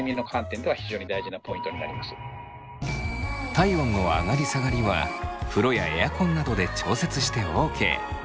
体温の上がり下がりは風呂やエアコンなどで調節してＯＫ。